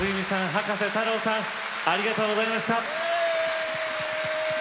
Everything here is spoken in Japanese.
葉加瀬太郎さんありがとうございました。